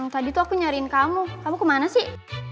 tadi tuh aku nyariin kamu kamu kemana sih